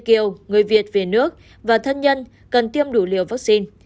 kiều người việt về nước và thân nhân cần tiêm đủ liều vaccine